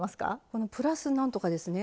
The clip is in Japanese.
このプラス何とかですね。